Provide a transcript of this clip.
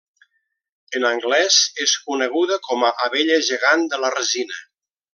En anglès és coneguda com a abella gegant de la resina.